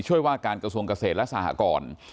ว่าการกระทรวงเกษตรและสหกร